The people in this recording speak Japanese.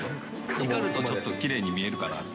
光るとちょっときれいに見えるかなって。